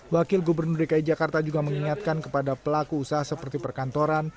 wakil gubernur dki jakarta juga mengingatkan kepada pelaku usaha seperti perkantoran